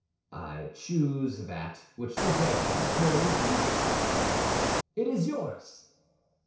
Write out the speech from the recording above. "I choose that which the red headed boy is leading." "It is yours!"